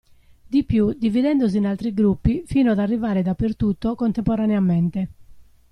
Di più dividendosi in altri gruppi fino ad arrivare dappertutto contemporaneamente.